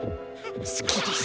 すきです！